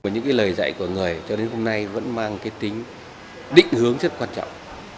những lời dạy của người cho đến hôm nay vẫn mang cái tính định hướng rất quan trọng